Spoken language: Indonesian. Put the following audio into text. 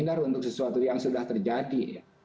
ini adalah untuk sesuatu yang sudah terjadi